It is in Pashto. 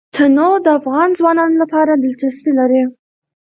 تنوع د افغان ځوانانو لپاره دلچسپي لري.